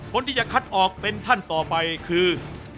คนที่จะคัดออกเป็นท่านต่อไปคือ